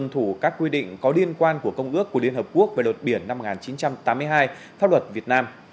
thủ các quy định có liên quan của công ước của liên hợp quốc về luật biển năm một nghìn chín trăm tám mươi hai pháp luật việt nam